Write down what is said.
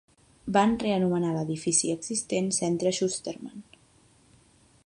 Van reanomenar l'edifici existent "Centre Schusterman".